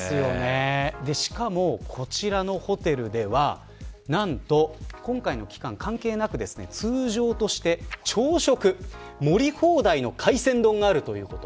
しかも、こちらのホテルでは何と、今回の期間関係なく通常として朝食盛り放題の海鮮丼があるということ。